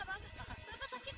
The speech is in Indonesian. bapak saya bantu pak